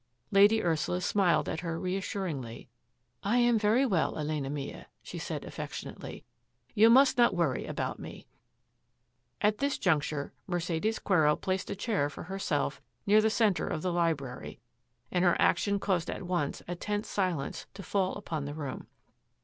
Lady Ursula smiled at her reassuringly. " I am very well, Elena mia,'' she said affectionately. " You must not worry about me." At this juncture Mercedes Quero placed a chair for herself near the centre of the library, and her action caused at once a tense silence to fall upon the room.